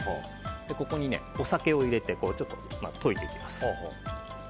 ここにお酒を入れて溶いていきます。